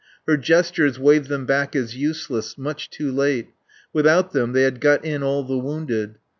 Her gestures waved them back as useless, much too late; without them she had got in all the wounded.